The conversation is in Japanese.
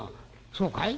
「そうかい？」。